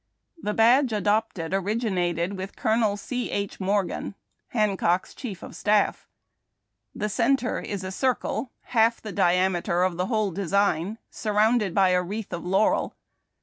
The badge adopted originated with Colonel C. H. Morgan, Hancock's chief of staff. The centre is a circle half the diameter of the whole de sign, surrounded by a wreath of laurel.